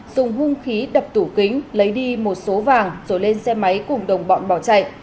dùng hung khí đập tủ kính lấy đi một số vàng rồi lên xe máy cùng đồng bọn bỏ chạy